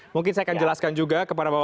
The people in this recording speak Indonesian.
mungkin saya akan jelaskan juga